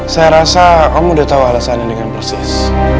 saya rasa om sudah tahu alasannya dengan persis